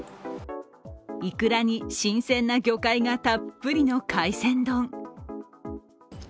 いくらに新鮮な魚介がたっぷりの海鮮丼。